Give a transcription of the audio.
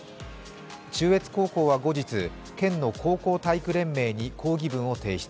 中越高校は後日、県の高校体育連盟に抗議文を提出。